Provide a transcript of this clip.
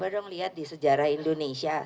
coba dong lihat di sejarah informasi itu lho pak